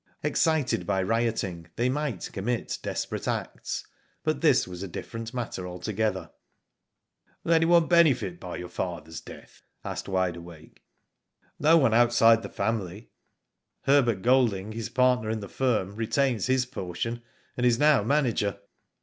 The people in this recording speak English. Excited by rioting, they might commit desperate acts, but this ,was a different matter altogether. Will anyone benefit by your father's death?" asked Wide Awake. " No one outside the family. Herbert Golding, his partner in the firm, retains his portion, and is now manager.